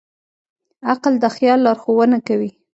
عقل د خیال لارښوونه کوي.